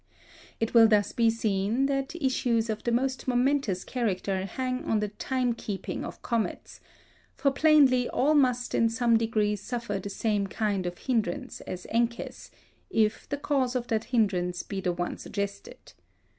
It will thus be seen that issues of the most momentous character hang on the time keeping of comets; for plainly all must in some degree suffer the same kind of hindrance as Encke's, if the cause of that hindrance be the one suggested.